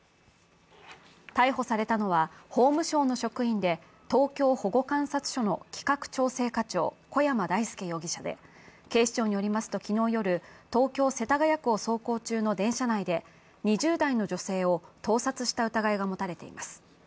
逮捕されたのは、法務省の職員で東京保護観察所の企画調整課長、小山大助容疑者で、警視庁によりますと昨日夜、東京・世田谷区を走行中の電車内で２０代の女性を盗撮した疑いが持たれています。